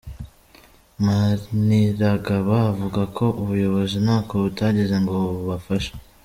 Maniragaba avuga ko ubuyobozi ntako butagize ngo bubafashe.